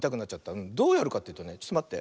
どうやるかっていうとねちょっとまって。